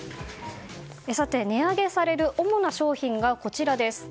さて、値上げされる主な商品がこちらです。